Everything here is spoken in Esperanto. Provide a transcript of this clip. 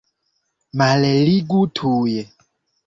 Malligu tuj!